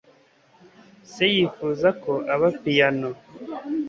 Se yifuza ko aba piyano.